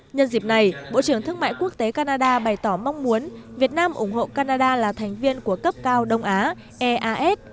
nhân dịp này bộ trưởng thương mại quốc tế canada bày tỏ mong muốn việt nam ủng hộ canada là thành viên của cấp cao đông á eas